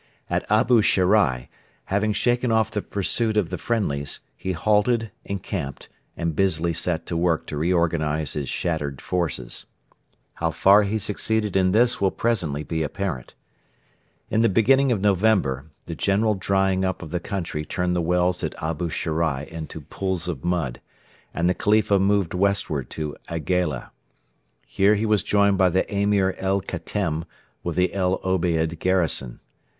At Abu Sherai, having shaken off the pursuit of the friendlies, he halted, encamped, and busily set to work to reorganise his shattered forces. How far he succeeded in this will presently be apparent. In the beginning of November the general drying up of the country turned the wells at Abu Sherai into pools of mud, and the Khalifa moved westward to Aigaila. Here he was joined by the Emir El Khatem with the El Obeid garrison.